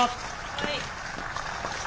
はい。